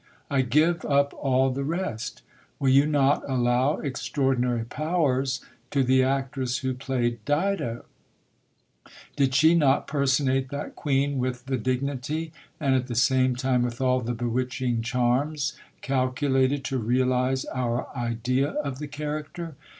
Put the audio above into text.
I give up all the rest Will you not allow extraordinary powers to the actress who played Dido ? Did she not personate that queen with the dignity, and at the same time with all the bewitching charms, calculated to realize our idea of the character